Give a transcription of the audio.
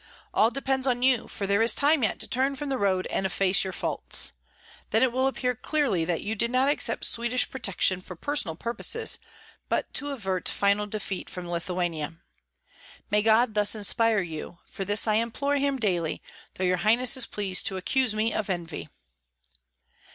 All depends on you, for there is time yet to turn from the road and efface your faults. Then it will appear clearly that you did not accept Swedish protection for personal purposes, but to avert final defeat from Lithuania. May God thus inspire you; for this I implore him daily, though your highness is pleased to accuse me of envy.